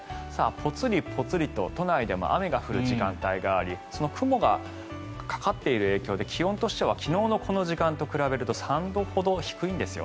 ぽつりぽつりと都内でも雨が降る時間帯がありその雲がかかっている影響で気温としては昨日のこの時間と比べると３度ほど低いんです。